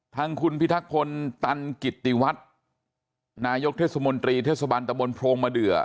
ทางคุณพิทักษ์คนตันกิตติวัตรนายกเทศมนตรีเทศบรรณตมนต์โพงมาเดือ